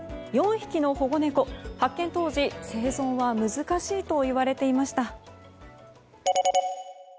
４匹の保護猫、発見当時生存は難しいと言われていました。